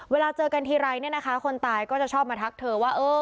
เวลาเจอกันทีไรคนตายก็จะชอบมาทักเธอว่า